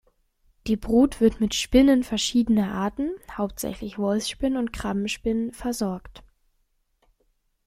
Die Brut wird mit Spinnen verschiedener Arten, hauptsächlich Wolfsspinnen und Krabbenspinnen versorgt.